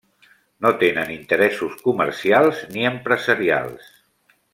No tenen interessos comercials ni empresarials.